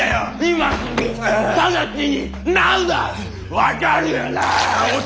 分かるよなァッ！